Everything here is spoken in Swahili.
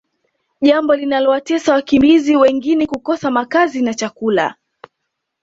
jambo linalowatesa wakimbizi wengini kukosa makazi na chakula